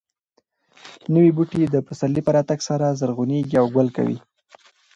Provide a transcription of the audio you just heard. نوي بوټي د پسرلي په راتګ سره زرغونېږي او ګل کوي.